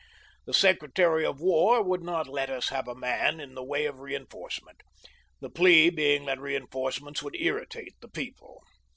The Secretary of War would not let us have a man in the way of reen forcement, the plea being that reinforcements would irritate the people.